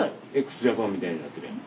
ＸＪＡＰＡＮみたいになってるやん。